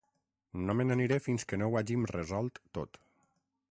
No me n'aniré fins que no ho hàgim resolt tot.